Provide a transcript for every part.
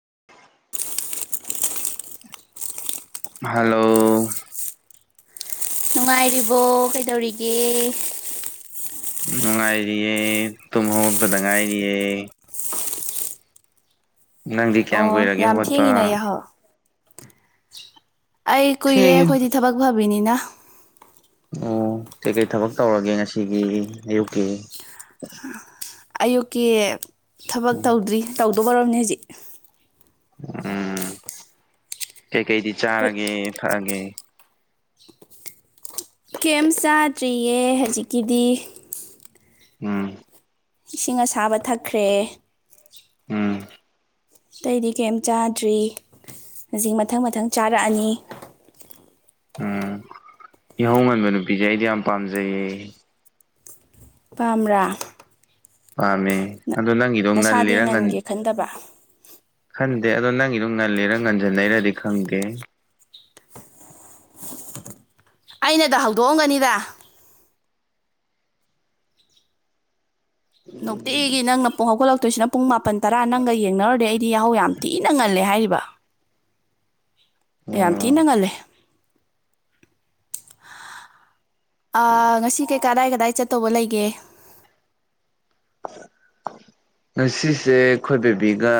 [inaudible] hello ꯅꯨꯡꯉꯥꯏꯔꯤꯕꯣ ꯀꯩꯗꯧꯔꯤꯒꯦ ꯅꯨꯡꯉꯥꯏꯔꯤꯌꯦ ꯇꯨꯝ ꯍꯧꯒꯠꯄꯗ ꯉꯥꯏꯔꯤꯌꯦ ꯅꯪꯗꯤ ꯀꯌꯥꯝ ꯑꯣ ꯀꯨꯏꯔꯒꯦ ꯌꯥꯝ ꯍꯧꯒꯠꯄ ꯊꯦꯡꯉꯤꯅ ꯌꯥꯍꯧ ꯑꯩ ꯀꯨꯏꯔꯦ ꯊꯦꯡꯉꯦ ꯑꯩꯈꯣꯏꯗꯤ ꯊꯕꯛ ꯐꯕꯤꯅꯤꯅ ꯑꯣ ꯀꯩꯀꯩ ꯊꯕꯛ ꯇꯧꯔꯒꯦ ꯉꯁꯤꯒꯤ ꯑꯌꯨꯛꯀꯤ ꯑꯌꯨꯛꯀꯤ ꯊꯕꯛ ꯇꯧꯗ꯭ꯔꯤ ꯇꯧꯗꯧꯔꯕꯅꯦ ꯍꯧꯖꯤꯛ ꯎꯝ ꯀꯩꯀꯩꯗꯤ ꯑꯩꯈꯣꯏ ꯆꯥꯔꯒꯦ ꯊꯥꯛꯑꯒꯦ ꯀꯩꯝ ꯆꯥꯗ꯭ꯔꯤꯌꯦ ꯍꯧꯖꯤꯛꯀꯤꯗꯤ ꯎꯝ ꯏꯁꯤꯡ ꯑꯁꯥꯕ ꯊꯥꯛꯈ꯭ꯔꯦ ꯎꯝ ꯑꯇꯩꯗꯤ ꯀꯩꯝ ꯆꯥꯗ꯭ꯔꯤ ꯍꯧꯖꯤꯛ ꯃꯊꯪ ꯃꯊꯪ ꯆꯥꯔꯛꯑꯅꯤ ꯎꯝ ꯏꯍꯧ ꯉꯟꯕ ꯅꯨꯄꯤꯁꯦ ꯑꯩꯗꯤ ꯌꯥꯝ ꯄꯥꯝꯖꯩꯌꯦ ꯄꯝꯕ꯭ꯔꯥ ꯄꯝꯃꯦ ꯑꯗꯨ ꯅꯪꯒꯤ ꯅꯁꯥꯗꯤ ꯉꯟꯒꯦ ꯈꯟꯗꯕ ꯈꯟꯗꯦ ꯑꯗꯣ ꯅꯪꯒꯤꯗꯨ ꯉꯜꯂꯤꯔ ꯉꯟꯖꯤꯟꯅꯩꯔꯗꯤ ꯈꯪꯗꯦ ꯑꯩꯅꯗ ꯍꯧꯗꯣꯛꯑꯝꯒꯅꯤꯗ ꯅꯨꯡꯇꯤꯒꯤ ꯅꯪꯅ ꯄꯨꯡ ꯍꯧꯒꯠꯂꯛꯇꯣꯏꯁꯤꯅ ꯄꯨꯡ ꯃꯥꯄꯟ ꯇꯔꯥ ꯅꯪꯒ ꯌꯦꯡꯅꯔꯨꯔꯗꯤ ꯑꯩꯗꯤ ꯌꯥꯍꯧ ꯌꯥꯝ ꯊꯤꯅ ꯉꯜꯂꯦ ꯍꯥꯏꯔꯤꯕ ꯌꯥꯝ ꯑꯣ ꯊꯤꯅ ꯉꯜꯂꯦ ꯑꯥ ꯉꯁꯤ ꯀꯩ ꯀꯗꯥꯏ ꯀꯗꯥꯏ ꯆꯠꯇꯧꯕ ꯂꯩꯒꯦ ꯉꯁꯤꯁꯦ ꯑꯩꯈꯣꯏ ꯕꯦꯕꯤꯒ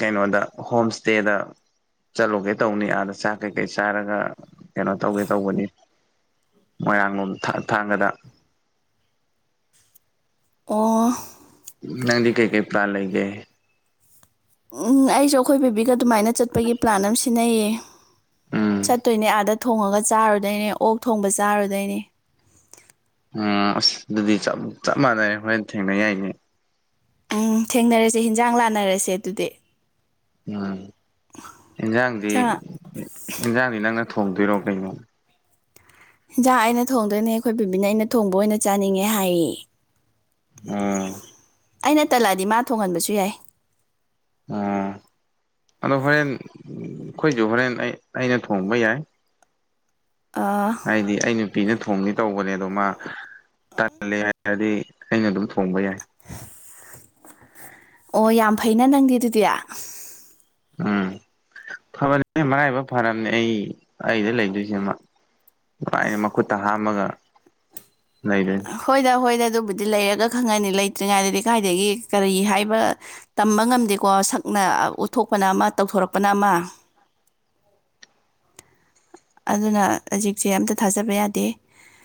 ꯀꯩꯅꯣꯗ ꯍꯣꯝ ꯁ꯭ꯇꯦꯗ ꯆꯠꯂꯨꯒꯦ ꯇꯧꯅꯤ ꯑꯥꯗ ꯆꯥꯛ ꯀꯩꯀꯩ ꯆꯥꯔꯒ ꯀꯩꯅꯣ ꯇꯧꯒꯦ ꯇꯧꯕꯅꯤ ꯃꯣꯏꯔꯥꯡꯂꯣꯝ ꯊꯥꯡꯒꯗ ꯑꯣ ꯅꯪꯗꯤ ꯀꯩ ꯀꯩ ꯄꯂꯥꯟ ꯂꯩꯒꯦ ꯎꯝ ꯑꯩꯁꯨ ꯑꯩꯈꯣꯏ ꯤꯕꯤꯒ ꯑꯗꯨꯃꯥꯏꯅ ꯆꯠꯄꯒꯤ ꯄ꯭ꯂꯥꯟ ꯑꯃ ꯁꯤꯅꯩꯌꯦ ꯎꯝ ꯆꯠꯇꯣꯏꯅꯦ ꯑꯥꯗ ꯊꯣꯡꯉꯒ ꯆꯥꯔꯨꯗꯣꯏꯅꯦ ꯑꯣꯛ ꯊꯣꯡꯕ ꯆꯥꯔꯨꯗꯣꯏꯅꯦ ꯎꯝ ꯑꯁ ꯑꯗꯨꯗꯤ ꯆꯞ ꯃꯥꯟꯅꯔꯦ ꯍꯣꯔꯦꯟ ꯊꯦꯡꯅ ꯌꯥꯏꯅꯦ ꯎꯝ ꯊꯦꯡꯅꯔꯁꯦ ꯍꯤꯟꯖꯥꯡ ꯂꯥꯟꯅꯔꯁꯦ ꯑꯗꯨꯗꯤ ꯎꯝ ꯏꯟꯖꯥꯡꯗꯤ ꯏꯟꯁꯥꯡ ꯏꯟꯖꯥꯡꯗꯤ ꯅꯪꯅ ꯊꯣꯡꯗꯣꯏꯔꯣ ꯀꯩꯅꯣ ꯖꯏꯟꯖꯥꯡ ꯑꯩꯅ ꯊꯣꯡꯗꯣꯏꯅꯦ ꯑꯩꯈꯣꯏ ꯕꯦꯕꯤꯅ ꯑꯩꯅ ꯊꯣꯡꯕ ꯑꯣꯏꯅ ꯆꯥꯅꯤꯡꯉꯦ ꯍꯥꯏꯌꯦ ꯑꯝ ꯑꯩꯅ ꯇꯜꯂꯛꯑꯗꯤ ꯃꯥ ꯊꯣꯡꯍꯟꯕꯁꯨ ꯌꯥꯏ ꯑꯣ ꯑꯗꯣ ꯍꯣꯔꯦꯟ ꯑꯩꯈꯣꯏꯁꯨ ꯍꯣꯔꯦꯟ ꯑꯩ ꯑꯩꯅ ꯊꯣꯡꯕ ꯌꯥꯏ ꯑꯥ ꯍꯥꯏꯗꯤ ꯑꯩ ꯅꯨꯄꯤꯅ ꯊꯣꯡꯅꯤ ꯇꯧꯕꯅꯦ ꯑꯗꯣ ꯃꯥ ꯇꯜꯂꯦ ꯍꯥꯏꯔꯗꯤ ꯑꯩꯅ ꯑꯗꯨꯝ ꯊꯣꯡꯕ ꯌꯥꯏ ꯑꯣ ꯌꯥꯝ ꯐꯩꯅ ꯅꯪꯗꯤ ꯑꯗꯨꯗꯤ ꯎꯝ ꯐꯕꯅꯦ ꯃꯔꯥꯏꯕꯛ ꯐꯔꯕꯅꯦ ꯑꯩ ꯑꯩꯗ ꯂꯩꯗꯣꯏꯁꯦ ꯃꯥ ꯅꯉꯥꯏꯅ ꯃꯈꯨꯠꯇ ꯍꯥꯝꯃꯒ ꯂꯩꯗꯣꯏꯅꯤ ꯍꯣꯏꯗ ꯍꯣꯏꯗ ꯑꯗꯨꯕꯨꯗꯤ ꯂꯩꯔꯒ ꯈꯪꯉꯅꯤ ꯂꯩꯇ꯭ꯔꯤꯉꯩꯗ ꯂꯩꯀꯥꯏꯗꯒꯤ ꯀꯔꯤ ꯍꯥꯏꯕ ꯇꯝꯕ ꯉꯝꯗꯦꯀꯣ ꯁꯛꯅ ꯎꯠꯊꯣꯛꯄꯅ ꯑꯃ ꯇꯧꯊꯣꯔꯛꯄꯅ ꯑꯃ ꯑꯗꯨꯅ ꯍꯧꯖꯤꯛꯁꯦ ꯑꯝꯇ ꯊꯥꯖꯕ ꯌꯥꯗꯦ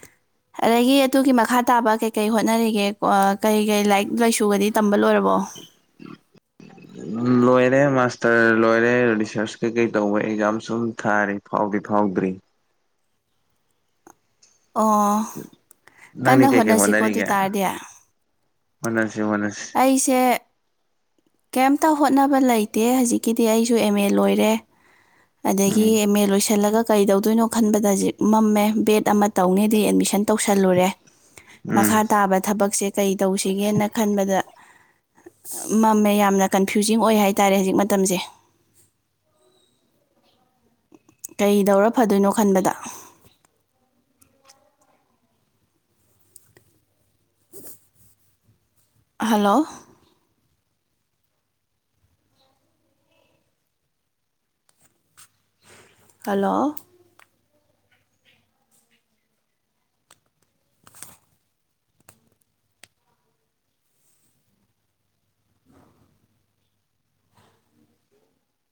[inaudible] ꯑꯗꯒꯤ ꯑꯗꯨꯒꯤ ꯃꯈꯥ ꯇꯥꯕ ꯀꯩꯀꯩ ꯍꯣꯠꯅꯔꯤꯒꯦ ꯀꯩ ꯀꯩ ꯂꯥꯏꯔꯤꯛ ꯂꯥꯏꯁꯨꯒꯗꯤ ꯇꯝꯕ ꯂꯣꯏꯔꯕꯣ [unintelligible] ꯎ ꯂꯣꯏꯔꯦ ꯃꯥꯁꯇꯔ ꯂꯣꯏꯔꯦ ꯔꯤꯁꯔꯁ ꯀꯩꯀꯩ ꯇꯧꯕ ꯑꯦꯛꯖꯥꯝꯁꯨꯨꯝ ꯊꯥꯔꯤ ꯐꯥꯎꯗꯤ ꯐꯥꯎꯗ꯭ꯔꯤ ꯑꯣ ꯅꯪꯗꯤ ꯀꯟꯅ ꯀꯩꯀꯩ ꯍꯣꯠꯅꯁꯤꯀꯣ ꯑꯗꯨ ꯍꯣꯠꯅꯔꯤꯒꯦ ꯑꯣꯏꯇꯥꯔꯗꯤ ꯍꯣꯠꯅꯁꯤ ꯍꯣꯠꯅꯁꯤ ꯑꯩꯁꯦ ꯀꯩꯝꯇ ꯍꯣꯠꯅꯕ ꯂꯩꯇꯦ ꯍꯧꯖꯤꯛꯀꯤꯗꯤ ꯑꯩꯁꯨ ꯑꯦꯝ ꯑꯦ ꯂꯣꯏꯔꯦ ꯑꯗꯒꯤ ꯎꯝ ꯑꯦꯝ ꯑꯦ ꯂꯣꯏꯁꯤꯜꯂꯒ ꯀꯩꯗꯧꯗꯣꯏꯅꯣ ꯈꯟꯕꯗ ꯍꯧꯖꯤꯛ ꯃꯝꯃꯦ ꯕꯦꯠ ꯑꯃ ꯇꯧꯅꯦꯗꯤ ꯑꯦꯠꯃꯤꯁꯟ ꯇꯧꯁꯜꯂꯨꯔꯦ ꯎꯝ ꯃꯈꯥ ꯇꯥꯕ ꯊꯕꯛꯁꯦ ꯀꯩ ꯇꯧꯁꯤꯒꯦꯅ ꯈꯟꯕꯗ ꯃꯝꯃꯦ ꯌꯥꯝꯅ ꯀꯟꯐ꯭ꯌꯨꯖꯤꯡ ꯑꯣꯏ ꯍꯥꯏꯇꯥꯔꯦ ꯍꯧꯖꯤꯛ ꯃꯇꯝꯁꯦ ꯀꯩꯗꯧꯔ ꯐꯗꯣꯏꯅꯣ ꯈꯟꯕꯗ ꯍꯜꯂꯣ ꯍꯜꯂꯣ